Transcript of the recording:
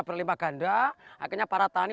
berlimpa ganda akhirnya para tani